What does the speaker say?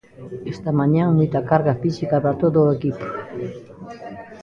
Esta mañá, moita carga física para todo o equipo.